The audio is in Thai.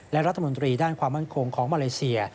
และรัฐมนตรีด้านความมั่นคงของมาเลเซีย